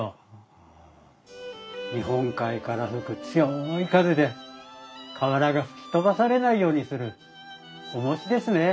日本海から吹く強い風で瓦が吹き飛ばされないようにするおもしですね。